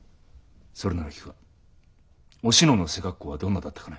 それなら聞くがおしのの背格好はどんなだったかね？